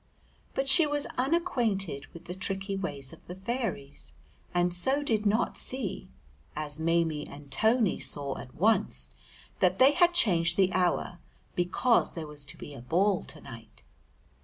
But she was unacquainted with the tricky ways of the fairies, and so did not see (as Maimie and Tony saw at once) that they had changed the hour because there was to be a ball to night.